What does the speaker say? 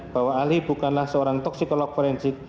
bahwa ahli bukanlah seorang toksikolog forensik